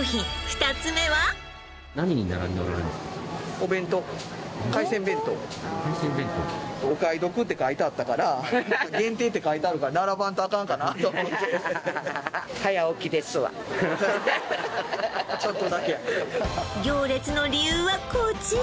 ２つ目はお買い得って書いてあったから限定って書いてあるから並ばんとあかんかなと思って行列の理由はこちら！